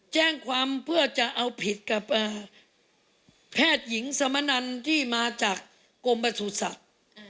แจ้งความเพื่อจะเอาผิดกับแพทย์หญิงสมนันที่มาจากกรมประสุทธิ์สัตว์